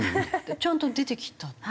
ちゃんと出てきたの。